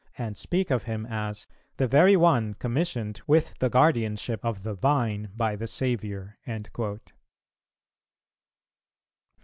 and speak of him as "the very one commissioned with the guardianship of the Vine by the Saviour." 15.